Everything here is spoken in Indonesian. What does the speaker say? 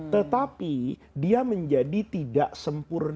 tetapi dia menjadi tidak sempurna